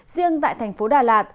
riêng tại thành phố đà lạt